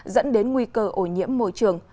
dẫn đến nguy cơ ổ nhiễm môi trường